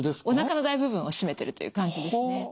おなかの大部分を占めてるという感じですね。